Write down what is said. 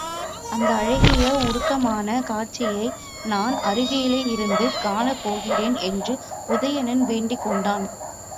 அந்த அழகிய உருக்கமான காட்சியை நான் அருகேயிருந்து காணப் போகின்றேன் என்று உதயணன் வேண்டிக் கொண்டான்.